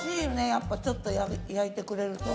やっぱちょっと焼いてくれると。